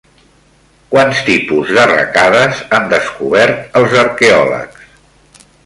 Quants tipus d'arracades han descobert els arqueòlegs?